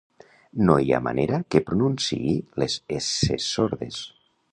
No hi ha manera que pronunciï les esses sordes.